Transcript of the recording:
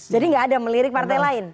jadi gak ada melirik partai lain